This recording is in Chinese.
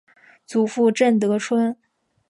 祖父郑得春。